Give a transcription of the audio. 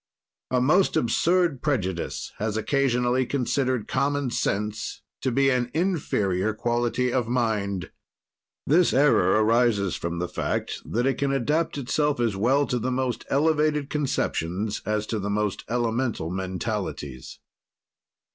A most absurd prejudice has occasionally considered common sense to be an inferior quality of mind. This error arises from the fact that it can adapt itself as well to the most elevated conceptions as to the most elemental mentalities.